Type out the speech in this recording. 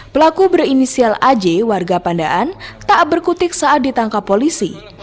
pelaku berinisial aj warga pandaan tak berkutik saat ditangkap polisi